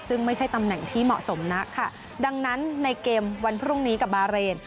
ซึ่งไม่ใช่ตำแหน่งที่เหมาะสมนักค่ะดังนั้นในเกมวันพรุ่งนี้กับบาเรน